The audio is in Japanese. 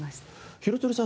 廣津留さん